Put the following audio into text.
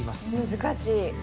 難しい。